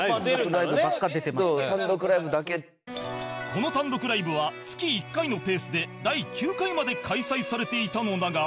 この単独ライブは月１回のペースで第９回まで開催されていたのだが